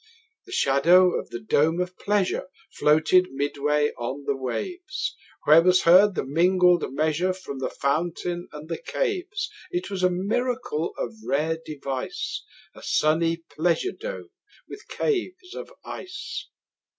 30 The shadow of the dome of pleasure Floated midway on the waves; Where was heard the mingled measure From the fountain and the caves. It was a miracle of rare device, 35 A sunny pleasure dome with caves of ice!